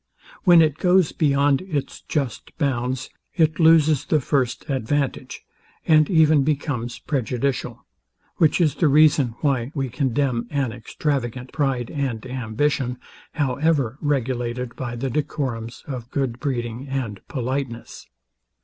When it goes beyond its just bounds, it loses the first advantage, and even becomes prejudicial; which is the reason why we condemn an extravagant pride and ambition, however regulated by the decorums of good breeding and politeness.